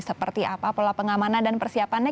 seperti apa pola pengamanan dan persiapannya